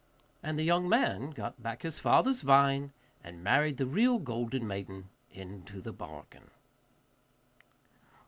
And the young man got back his father's vine and married the real golden maiden into the bargain.